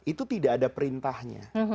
itu tidak ada perintahnya